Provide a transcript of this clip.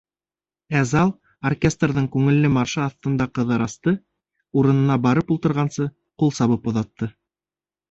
Ә зал оркестрҙың күңелле маршы аҫтында Ҡыҙырасты, урынына барып ултырғансы, ҡул сабып оҙатты.